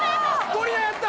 ゴリラやった！